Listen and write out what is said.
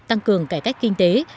tăng cường cải cách kinh tế